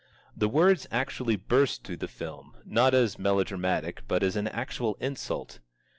The words actually burst through the film, not as a melodramatic, but as an actual insult.